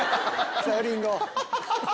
さゆりんご！